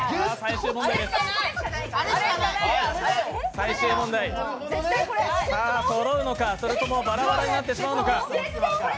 最終問題、さあそろうのか、それともバラバラになってしまうのか。